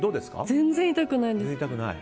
全然痛くないです。